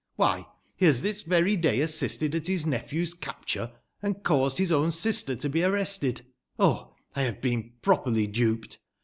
Why, lie has this very day assisted at bis nepliew's capture, and caused bis own sister to be arrested. Oh, I bave been properly duped